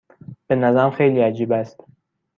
به نظرم خیلی عجیب است.